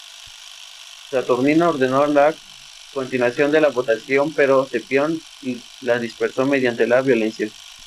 Saturnino ordenó la continuación de la votación pero Cepión la dispersó mediante la violencia.